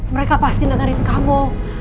mereka pasti dengerin kamu